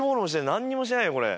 何にもしてないよ。